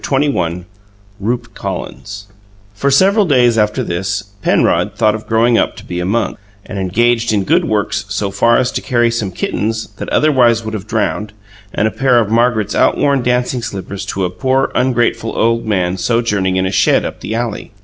CHAPTER XXI RUPE COLLINS For several days after this, Penrod thought of growing up to be a monk, and engaged in good works so far as to carry some kittens (that otherwise would have been drowned) and a pair of Margaret's outworn dancing slippers to a poor, ungrateful old man sojourning in a shed up the alley.